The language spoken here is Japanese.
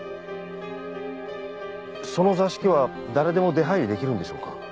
その座敷は誰でも出はいりできるんでしょうか？